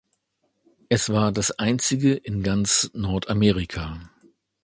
Es war das einzige in ganz Nordamerika.